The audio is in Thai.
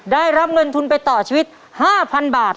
ได้รับเงินทุนไปต่อชีวิต๕๐๐๐บาท